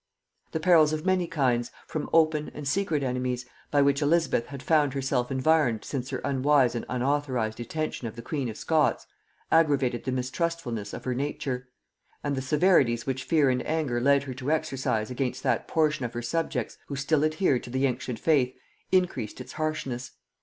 "] The perils of many kinds, from open and secret enemies, by which Elizabeth had found herself environed since her unwise and unauthorized detention of the queen of Scots, aggravated the mistrustfulness of her nature; and the severities which fear and anger led her to exercise against that portion of her subjects who still adhered to the ancient faith, increased its harshness.